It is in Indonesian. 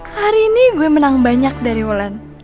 hari ini gue menang banyak dari wulan